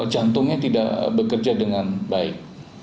jantungnya tidak bekerja dengan baik